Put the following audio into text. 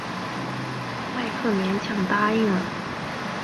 迈克勉强答应了。